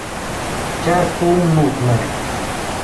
… Тя е по-умна от мене.